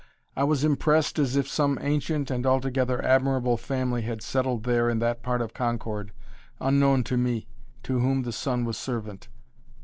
I was impressed as if some ancient and altogether admirable family had settled there in that part of Concord, unknown to me to whom the sun was servant.